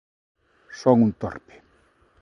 _Son un torpe.